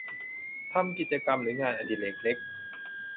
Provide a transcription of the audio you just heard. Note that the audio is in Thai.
ทำกิจกรรมหรืองานอดิเรกเล็ก